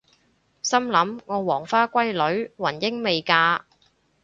心諗我黃花閨女雲英未嫁！？